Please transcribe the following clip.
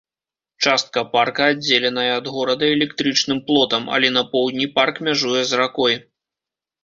Частка парка аддзеленая ад горада электрычным плотам, але на поўдні парк мяжуе з ракой.